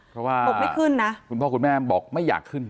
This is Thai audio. เพราะว่าคุณพ่อคุณแม่บอกไม่อยากขึ้น